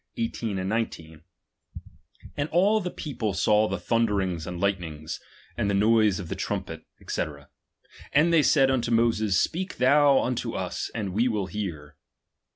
4nd all the people saw the thunderingti and lightenings, and the noise of the trumpet, &c. And they said unto Moses, speak thou unto us, and we will hear.